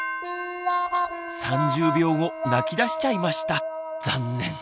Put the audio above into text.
３０秒後泣きだしちゃいました！